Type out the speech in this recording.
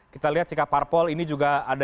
kita lihat sikap parpol ini juga ada